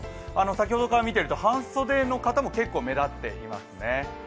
先ほどから見てると半袖の方も結構目立ってますね。